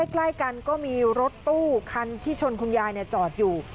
ใกล้กันก็มีรถตู้คันที่ชนคุณยายจอดอยู่